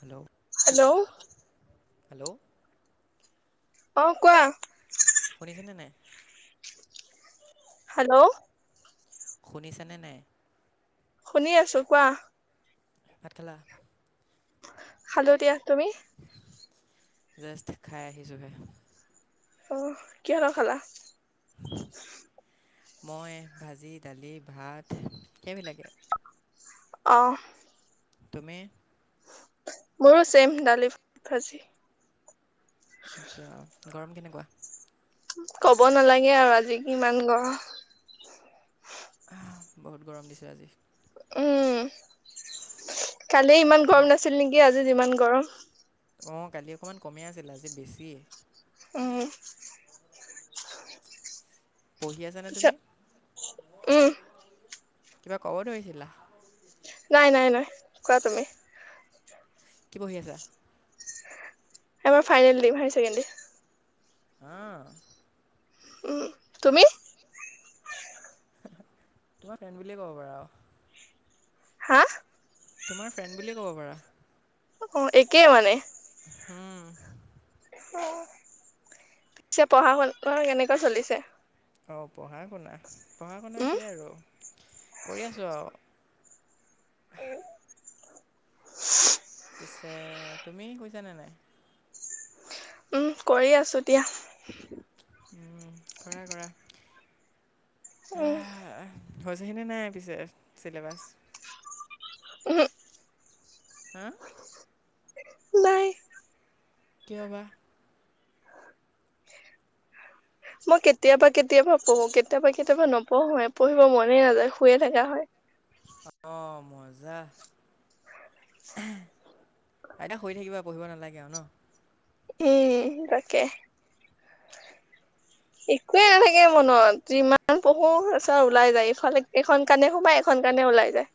Hello hello, hello, অ' কোৱা? শুনিছানে নাই। হেল্ল', শুনিছ নে নাই। শুনি আছো কোৱা? ভাত খালা। খালো দিয়া তুমি, জষ্ট খাই আহিচুহে অহ, কিহৰে খালা। মই ভাজি দালি ভাত সেইবিলাকে, অহ। তুমি মোৰো চেইম দালি ভাজি। কাহ। [inaudible] কব নালাগে আৰু আজি কিমান গৰম। বহুত গৰম দিছে আজি। উম, কালি ইমান গৰম ঠাইত নাছিল নেকি? আজি যিমান গৰম। অ' কালি অকমান কমি আছিল, আজি অকমান বেছি। অহ' পঢ়ি আছানে পিছে তুমি? উম কিবা ক'ব ধৰিছিলা? নাই নাই নাই কোৱা তুমি? কি পঢ়ি আছা? এইবাৰ ফাইনেল দিম হাই ছেকেণ্ডেৰি। আহ উম, তুমি? তোমাৰ ফ্ৰেণ্ড বুলিয়ে ক'ব পাৰা আৰু হা? তোমাৰ ফ্ৰেণ্ড বুলিয়ে ক'ব পাৰা। অ' একেই মানে। হ'ম। অ' পিছে পঢ়া শুনা কেনেকুৱা চলিছে? অ' পঢ়া শুনা পঢ়া শুনা উম কি আৰু কৰি আছোঁ আৰু উম। পিছে তুমি শুইছানে নাই? উম, কৰি আছোঁ দিয়া। উম, কৰা কৰা উম। আহ, হৈছেহিনে নাই পিছে চিলেবাছ? উমহ হ'ম? নাই। কিয় বা? মই কেতিয়াবা, কেতিয়াবা পঢ়োঁ। কেতিয়াবা, কেতিয়াবা নপঢ়োয়ে পঢ়িব মনেই নাযায় শুয়ে থাকা হয়। অ' মজা। আইতা শুই থাকিবা পঢ়িব নালাগে আৰু ন। উম, তাকে। [unintelligible] একোৱে নাথাকে মনত যিমান পঢ়ো আছা ওলাই যায় ইফালে এখন কাণে সোমাই এখন কাণে। নে ওলাই যায়।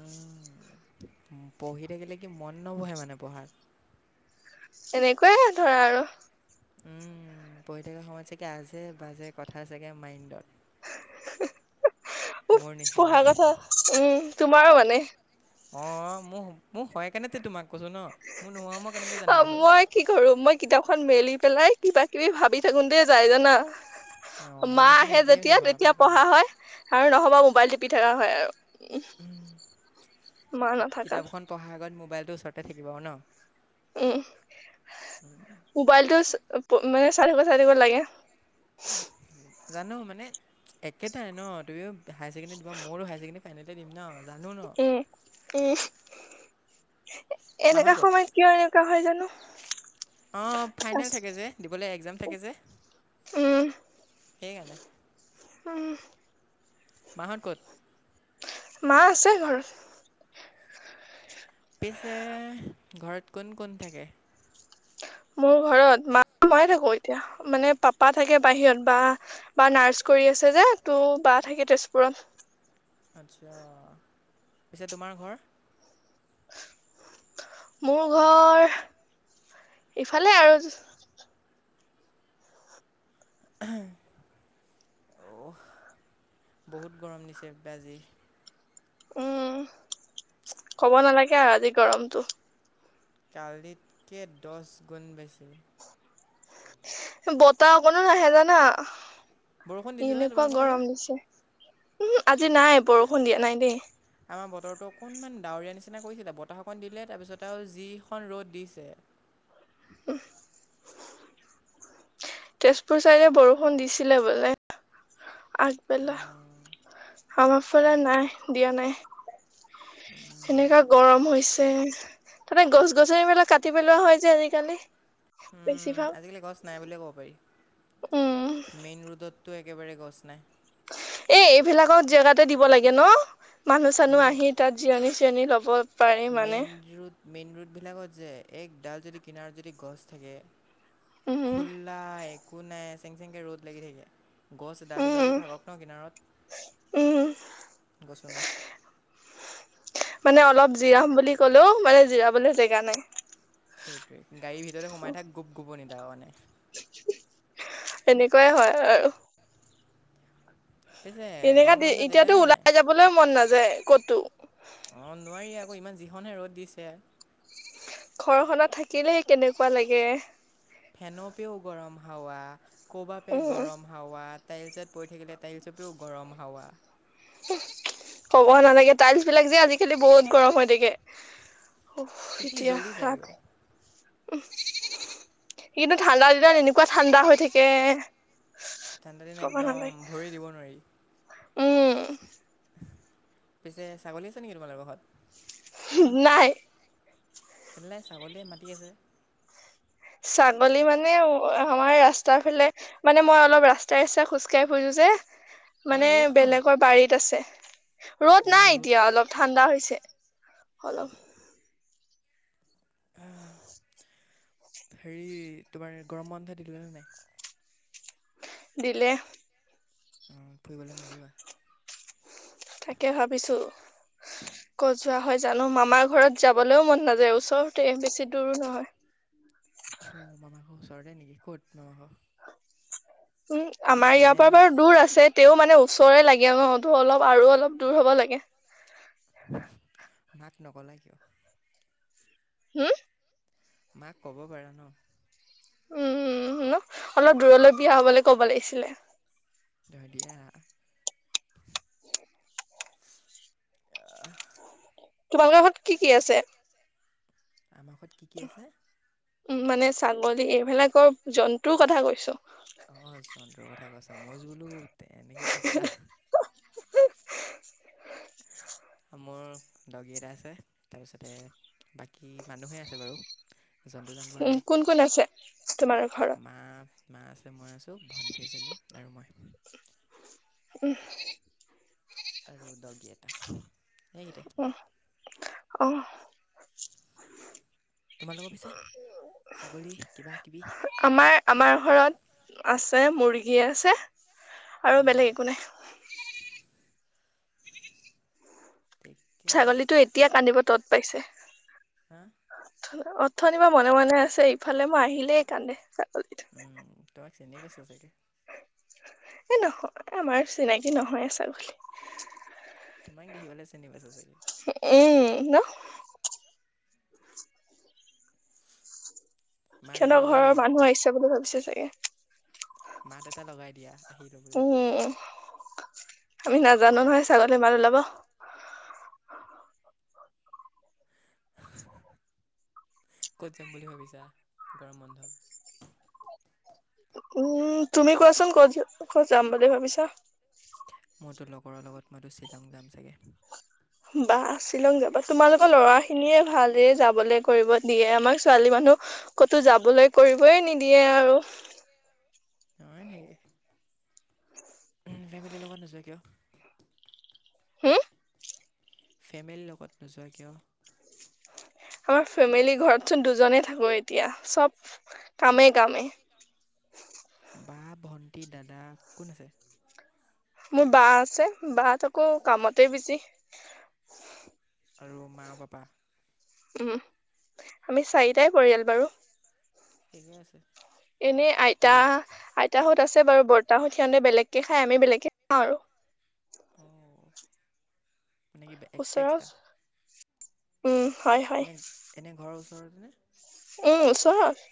উম-উম, পঢ়ি থাকিলে কি মন নবহে মানে পঢ়াত? এনেকুৱায়ে হয় ধৰা আৰু। উম, পঢ়ি থাকা সময়ত চাগে আজে বাজে কথা চাগে মাইণ্ডত মোৰ নিচিনা পঢ়া কথা উম, তোমাৰো মানে। অ', মোৰ মোৰ হয় কানেটো তোমাক কৈছোঁ ন মোৰ নোহোৱা মই কেনেকৈ অ', জানিলোঁ হয় মই কি কৰো মই কিতাপখন মেলিম পেলাই কিবা কিবি ভাবি থাকোতে দে যাই জানা। অঁ মোৰ মা নিচিনা আহে একেই যেতিয়া স্বভাৱ তেতিয়া সেইকাৰণে পঢ়া হয় আৰু নহবা মোবাইল টিপি থকা হয় আৰু। উমহ, মা নাথাকাত তোৰ ওচৰতে থাকিব আও ন'। উমহ, মোবাইলটোছ প, মানে চাই থাকো চাই থাকো লাগে। [inaudible] জানো মানে একেটাই ন' তুমিও হায় ছেকেণ্ডৰী দিবা মইয়ো হায় ছেকেণ্ডী ফাইনেলটো দিম ন'। জানো ন'। উম উম মাহত এনেকা সময়ত কিয় এনেকুৱা হয় জানো। অ', ফাইনেল আছে থাকে যে দিবলে একজাম থাকে যে। উম সেইকাৰণে উম মা হত ক'ত? মা আছে ঘৰ পিছে ঘৰত কোন কোন থাকে? মোৰ ঘৰত মা ময়ে থাকো এতিয়া মানে পাপা থাকে বাহিৰত বা বা নাৰ্ছ কৰি আছে যে তো' বা থাকে তেজপুৰত। আচ্ছা পিছে তোমাৰ ঘৰ? মোৰ ঘৰ ইফালে আৰুজ [inaudible] অহ, বহুত গৰম দিছে বেয়া আজি উম, ক'ব নালাগে আও আজি গৰমটো। কালিতকে দশ গুণ বেছি। বতাহ অকণো নাহে জানা। বৰষুণ দিছিলেনে এনেকুৱা তোমালোকৰ ফালে গৰম দিছে। উম আজি নাই, বৰষুণ দিয়া নাই দেই। আমাৰ বতৰটো অকণমান ডাৱৰীয়া নিচিনা কৰিছিলে, বতাহকন দিলে, তাৰপিছত আৰু যিখন ৰ'দ দিছে। [inaudible] [unintelligible] তেজপুৰ চাইডে বৰষুণ দিছিলে বোলে। অঁ, আগবেলা, আমাৰ ফালে নাই দিয়া নাই। উম, সেনেকা গৰম হৈ ছে, তাতে গছ গছনিবিলাক কাটি পেলোৱা হ'য় যে আজিকালি। উম, বেছিভাগ আজিকালি গছ নাই বুলিয়ে ক'ব পাৰি। উম মেইন ৰোডত তো একেবাৰে গছ নাই। এ, এইবিলাকত জেগাতে দিব লাগে ন'? মানুহ চানুহ মেইন আহি তাত জিৰণি চিৰণি ল'ব। পাৰি মানে মেইন ৰোড, মেইন ৰোডবিলাকত যে, একডাল যদি কিনাৰত যদি গছ থাকে। উম খুল্লা একো নাই, চেংচংকে ৰ'দ লাগি থাকে। গছ এডাল দুডালটো উম থাকক ন' কিনাৰত, উম গছো নাই। মানে অলপ জিৰাম বুলি ক'লেও, মানে জিৰাবলে জেগা নাই। সেইটোৱে, গাড়ীৰ ভিতৰতে সোমাই থাক, গোপ গোপনিত আও মানে। এনেকুৱাই হয় আৰু। পিছে সেনেকা গৰম দি, বন্ধ দিলে এতিয়াতো নে নাই ওলাই যাবলৈ মন নাযায় কতো। অঁ নোৱাৰি আকৌ ইমান যি খনহে ৰ'দ দিছে। ঘৰখনত থাকিলে কেনেকুৱা লাগে। ফেনৰ পেও গৰম হাৱা ক'ব পে উম গৰম হাৱা তাছত পৰি থাকিলে টাইলচাপিও গৰম হাৱা। ক'ব নালাগে টাইলছ বিলাক যে আজিকালি বহুত গৰম হৈ থাকে। অ পিঠি এতিয়া জ্বলি ৰাখ যায়গৈ উ, স কিন্তু ঠাণ্ডা দিনত এনেকুৱা ঠাণ্ডা হৈ থাকে। ঠাণ্ডা দিন ক'ব নালাগে একদম ভৰি দিব নোৱাৰি। উম পিছে ছাগলী আছে নেকি তোমালাৰৰ ঘ ঘৰত। নাই তেনেহলে ছাগলীয়ে মাতি আছে। ছাগলী মানে আমাৰ ৰাস্তাৰ ফালে মানে মই অলপ ৰাস্তাই ৰাস্তাই খোজকাঢ়ি ফুৰিছো যে ইমান মানে ৰ'দখনত বেলেগৰ বাৰীত আছে। ৰ'দ নাই এতিয়া অলপ ঠাণ্ডা হৈছে অলপ। হেৰি তোমাৰ গৰম বন্ধ দি দিলেনে নাই? দিলে। ফুৰিবলৈ নিযা তাকে ভাবিছো। [inaudible] কজোৱা হয় জানো মামাৰ ঘৰত যাবলৈও মন নাযায়। ওচৰতে বেছি দূৰো নহয়। অ মামা ঘৰ ওচৰতে নেকি ক'ত মামা। উম আমাৰ ইয়াৰ মানে পৰা বাৰু দূৰ আছে তেও মানে ওচৰৰে লাগে নতো অলপ আৰু অলপ দূৰ হ'ব লাগে। [inaudible] হুম। মাক ক'ব পাৰা ন। উম ন অলপ দূৰলৈ বিয়া হবলৈ ক'ব লাগিছিলে। ধ দিয়া আহ তোমালোকৰ ঘৰত কি কি আছে? আমাৰ ঘৰত কি কি আছে? উম মানে ছাগলী এইবিলাকৰ জন্তুৰ কথা কৈছো। অ জন্তুৰ কথাই কৈছা মই জোলোত এনেকে কৈছা। [inaudible] [inaudible] মোৰ দগী এটা আছে তাপিছতে বাকী মানুহে আছে বাৰু। জন্তু জানবৰ উম নাই কোন কোন আছে তোমাৰ ঘৰত? মা মা আছে মই আছোঁ ভণ্টি এজনী আৰু মই। উম আৰু দগি এটা সেইকেইটাই উম, অ তোমালোকৰ পিছে ছাগলী কিবা কিবি আমাৰ আমাৰ ঘৰত আছে মুৰ্গীয়ে আছে আৰু অঁ বেলেগ একো নাই। ঠিকেই ছাগলীটো আছে এতিয়া কান্দিব তত পাইছে। হা অথনিবা মনে মনে আছেই ইফালে মই আহিলেই কান্দে ছাগলীটো উম, তোমাক চিনি পাইছা চাগে এ নহয় আমাৰ চিনাকি নহয়ে ছাগলী তোমাক দেখি পেলাই চিনি পাইছা চাগে উম ন মাত এটা সিহঁতৰ লগাই ঘৰৰ দিয়া মানুহ আহিছে বুলি ভাবিছে চাগে মাত এটা লগাই দিয়া আহিলো বুলি উম, আমি নাজানো নহয় ছাগলী মাত উলাব [inaudible] ক'ত যাম বুলি ভাবিছা গৰম বন্ধত উম তুমি কোৱাচোন ক'ত য ক'ত যাম বুলি ভাবিছা মোৰতো লগৰৰ লগত মইতো শ্বিলং যাম চাগে বা শ্বিলং যাবা তোমালোকৰ ল'ৰা খিনিয়ে ভালেৰে যাবলে কৰিব দিয়ে আমাৰ ছোৱালী মানুহ ক'তো যাবলৈ কৰিবই নিদিয়ে আৰু নিদিয়ে আৰু হয়নি ফেমেলি লগত নোযোৱা কিয় হো ফেমেলীৰ লগত নোযোৱা কিয় আমাৰ ফেমিলি ঘৰতচোন দুজনে থাকো এতিয়া চব কামে কামে [inaudible] বা ভণ্টি দাদা কোন আছে মোৰ বা আছে বা আকৌ কামতে বিজি আৰু মা পাপা উম আমি চাৰিটাই পৰিয়াল বাৰু ঠিকে আছে এনেই আইতা সৰু আইতাহত আছে বাৰু বৰ্তাহত সিহতে বেলেগকে খাই আমি বেলেগকে খাওঁ আৰু অঁ মানে কি এক্সট্ৰা ওচৰত এক্সট্ৰা উম হয় হয় এনে এনে ঘৰৰ ওচ উম ওচৰত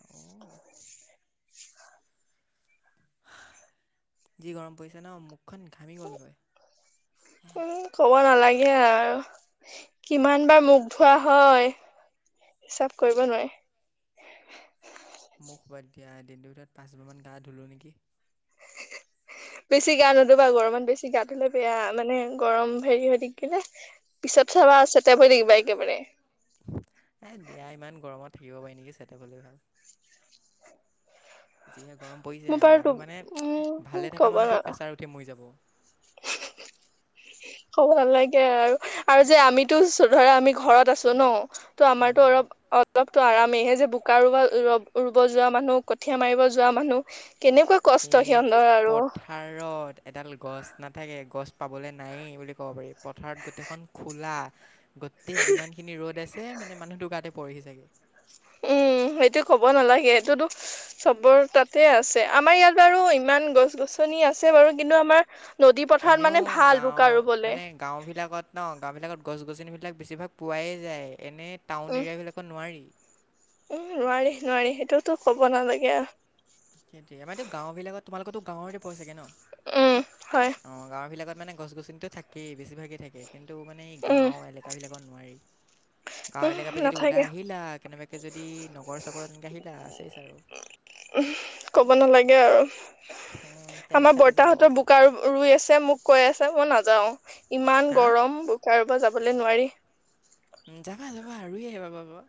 অ' [inaudible] কি গৰম পৰিছে ন? মুখখন ঘামি গ'লগৈ উম' কব নালাগে। গে আৰু। কিমান বাৰ মুখ ধোৱা হয়। হিচাপ কৰিব নোৱাৰি। হ'ব দিয়া, দিনটোৰ ভিতৰত পাঁচ বাৰান গা ধুলোঁ নেকি। বেছি গা নোধোৱা, গৰমত বেছি গা দিলে বেয়া, মানে গৰম হেৰি হৈ থাকে না। পিছত চাবা চেটেপ হৈ থাকিবা একেবাৰে। এই দিয়া ইমান গৰমত থাকিব পাৰি নেকি, চেটেপ হ'লেই ভাল। যিহে গৰম পৰিছে, মোৰ বাৰু মানুহ মানে উম ভালে থকা ক'ব ন মানুহতটো প্ৰেছাৰ উঠি মৰি যাব। ক'ব নালাগে আৰু। আৰু যে আমিতো ধৰা আমি ঘৰত আছো ন। ত' আমাৰতো উম, অলপ অলপ টো আৰামেই হে যে বোকা ৰুব, ৰ-ৰুব যোৱা মানুহ কঠিয়া মাৰিব যোৱা মানুহ কেনেকুৱা কি কষ্ট সিহঁতৰ আৰু পথাৰত এডাল গছ না থাকে গছ পাবলৈ নায় বুলি ক'ব পাৰি, পথাৰত গোটেইখন খোলা। গোটেই যিমান খিনি ৰ'দ আছে, মানে মানুহটো গাতে পৰহি চাগে। উম' সেইটো ক'ব নালাগে এইটোতো চবৰ তাতে আছে আমাৰ ইয়াত বাৰু ইমান গছ গছনি আছে বাৰু, কিন্তু আমাৰ নদী পথাৰত মানে এনেওঁ ভাল বোকা গাওঁ, ৰুবলে মানে গাওঁ বিলাকত ন, গাওঁবিলাকত গছ গছনিবিলাক বেছিভাগ পোৱাই যায়। এনে টাউন উম এৰিয়াবিলাকত নোৱাৰি। উম' নোৱাৰি নোৱাৰি সেইটোতো ক'ব নালাগে আৰু। সেইটোয়ে বাইদেউ গাওঁবিলাকত তোমালোকো গাৱতে পৰা চাগে ন, উম, হয় অহ গাওঁবিলাকত মানে গছ গছনিতো থাকেই বেছিভাগেই থাকে, কিন্তু মানে এই উম, গাঁও এলেকাবিলাকত নোৱাৰি। উম, গাঁৱলীয়া পৰা যদি ওলাই নাথাকে আহিলা, কেনেবাকে যদি নক নগৰ-চগৰ এনেকে আহিলা, চেছ আৰু। ক'ব নালাগে আৰু। উম, তেল আমাৰ ফাটি যাব বৰ্তাহতৰ বোকা ৰুই আছে, মোক কৈ আছে মই নাযাওঁ। ইমান হা গৰম বোকা ৰুব যাবলে নোৱাৰি। উম' যাবা যাবা ৰুই আহিব পাবা।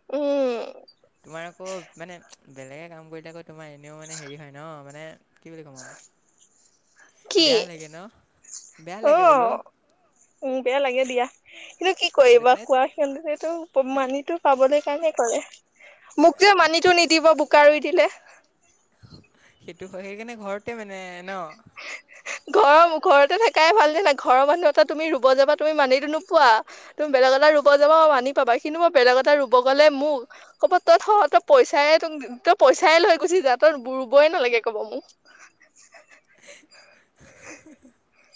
উম'। তোমাৰ আকৌ মানে, বেলেগে কাম কৰিলে আকৌ তোমাৰ এনেও মানে হেৰি হয় ন মানে। কি বুলি কম আৰু। কি বেয়া লাগে ন, বেয়া লাগে বোলো। অ', উম' বেয়া লাগে দিয়া, কিন্তু কি সেইটো কৰিবা কাৰণে খোৱা মানিটো পাবলৈ কাৰণে কৰে। মোক যে তে মানিটো নিদিব বোকা ৰুই দিলে। সেইটো হয়, সেইকাৰণে ঘৰতে মানে ন। ঘৰ ঘৰতে থাকাই ভাল জানা, ঘৰৰ মানুহ এটা তুমি ৰুব যাবা তুমি মানিটো নোপোৱা। তুমি বেলেগ এটা ৰুব যাব মানি পাবা। কিন্তু মই বেলেগ এটা ৰুব গ'লে মোক ক'ব তই থয় তই পইচাই তোক পইচাই লৈ গুছি যা, তই ৰুবই নালাগে ক'ব মোক। [unintelligible]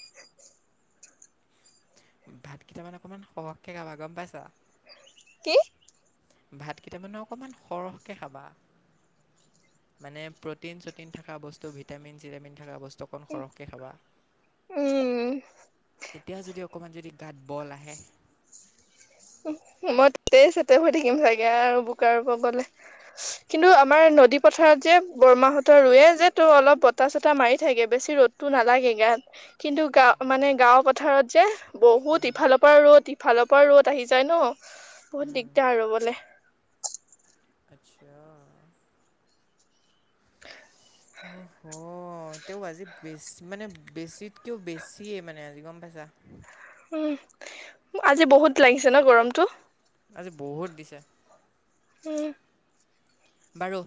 ভাতকেইটা মানে অকনমান সৰহকে খাবা গম পাইছা। কি? ভাতকেইটা মানে অকমান সৰহকে খাবা। মানে প্ৰটিন চটিন থকা বস্তু, ভিটামিন চিটামিন থকা বস্তু। ত' অকণ সৰহকে খাবা। উম তেতিয়া যদি অকণমান যদি গাঁত বল আহে। মই ততেই চেটেপ হৈ থাকিম চাগে, আৰু বোকা ৰুব গ'লে। কিন্তু আমাৰ নদী পথাৰত যে বৰমাহতৰ ৰুৱে যে তোৰ অলপ বতাহ চতাহ মাৰি থাকে বেছি ৰ'দতটো নালাগে গাত, কিন্তু টো গা। মানে গাঁওৰ পথাৰত যে। বহুত ইফালৰ পৰা ৰ'দ, ইফালৰ পৰা ৰ'দ, আহি যায় ন। বহুত দিগদাৰ ৰুবলে। আচ্ছা। অ তেওঁ আজি বেছ মানে বেছিতকেও বেছিয়ে মানে আজি, গম পাইছা? উম আজি বহুত লাগিছে ন গৰমটো আজি বহুত দিছে উম বাৰু